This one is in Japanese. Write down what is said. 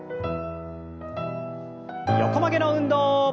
横曲げの運動。